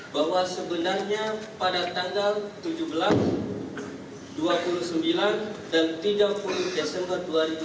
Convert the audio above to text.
bahwa sebenarnya pada tanggal tujuh belas dua puluh sembilan dan tiga puluh desember dua ribu dua puluh